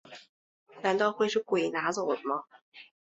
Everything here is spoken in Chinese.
难道会是鬼拿走了吗